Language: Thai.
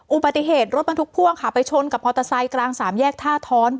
อุบัติเหตุรถบรรทุกพ่วงค่ะไปชนกับมอเตอร์ไซค์กลางสามแยกท่าท้อน